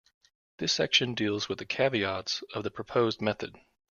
This section deals with the caveats of the proposed method.